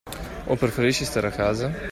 O preferisci stare a casa?